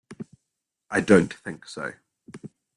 I Don't Think So.